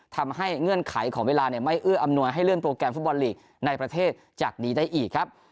เงื่อนไขของเวลาไม่เอื้ออำนวยให้เลื่อนโปรแกรมฟุตบอลลีกในประเทศจากนี้ได้อีกครับ